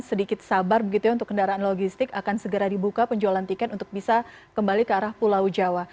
sedikit sabar begitu ya untuk kendaraan logistik akan segera dibuka penjualan tiket untuk bisa kembali ke arah pulau jawa